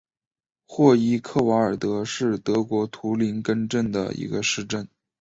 霍伊克瓦尔德是德国图林根州的一个市镇。